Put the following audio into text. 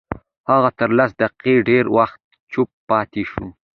هغه تر لس دقيقې ډېر وخت چوپ پاتې شو.